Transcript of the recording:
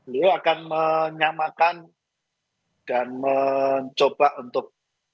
beliau akan menyamakan dan mencoba untuk